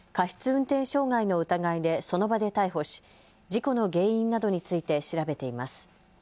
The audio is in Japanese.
運転傷害の疑いでその場で逮捕し事故の原因などについて調べています。